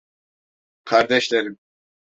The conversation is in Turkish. Kardeşlerim…